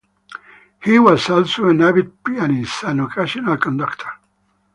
He was also an avid pianist and occasional conductor.